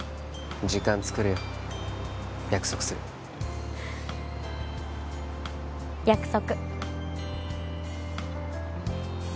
時間つくるよ約束する約束